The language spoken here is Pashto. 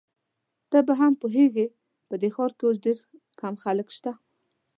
ته به هم پوهیږې، په ښار کي اوس ډېر کم خلک شته.